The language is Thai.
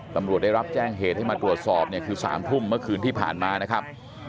ตำรวจได้รับแจ้งเหตุให้มาตรวจสอบเนี่ยคือ๓ทุ่มเมื่อคืนที่ผ่านมานะครับ